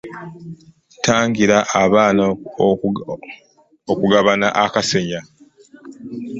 Tangira abaana okugabana akasenya.